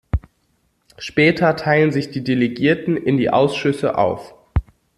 Später teilen sich die Delegierten in die Ausschüsse auf.